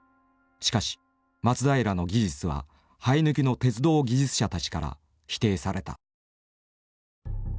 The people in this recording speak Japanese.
しかし松平の技術は生え抜きの鉄道技術者たちから否定された。